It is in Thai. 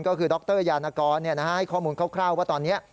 ก็คือดรยานกรให้ข้อมูลคร่าวว่าตอนนี้